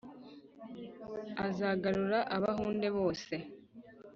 azagaruza abahunde bose